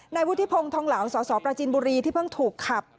วุฒิพงศ์ทองเหลาสสปราจินบุรีที่เพิ่งถูกขับ